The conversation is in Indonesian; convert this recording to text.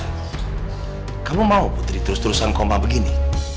karena kamu mau putri terus terusan koma begini